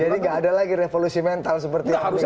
jadi nggak ada lagi revolusi mental seperti yang diadakan